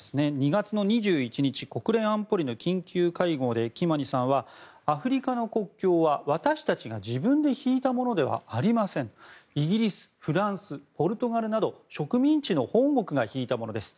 ２月２１日国連安保理の緊急会合でキマニさんはアフリカの国境は私たちが自分で引いたものではありませんイギリス、フランスポルトガルなど植民地の本国が引いたものです